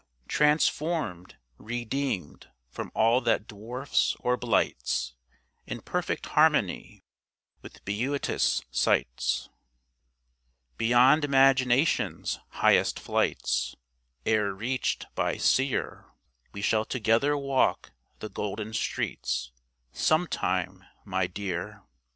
Transformed, redeemed from all that dwarfs or blights, In perfect harmony with beauteous sights Beyond imagination's highest flights Ere reached by seer, We shall together walk the golden streets Sometime, my dear.